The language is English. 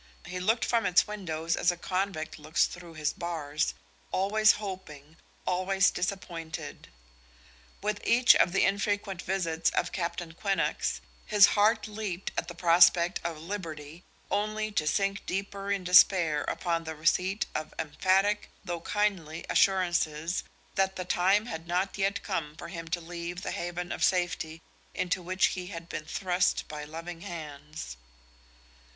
He looked from its windows as a convict looks through his bars, always hoping, always disappointed. With each of the infrequent visits of Captain Quinnox, his heart leaped at the prospect of liberty, only to sink deeper in despair upon the receipt of emphatic, though kindly, assurances that the time had not yet come for him to leave the haven of safety into which he had been thrust by loving hands.